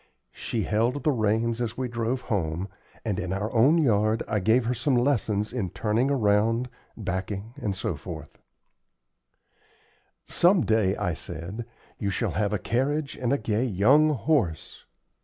She held the reins as we drove home, and, in our own yard, I gave her some lessons in turning around, backing, etc. "Some day," I said, "you shall have a carriage and a gay young horse."